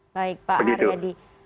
baik pak aryadi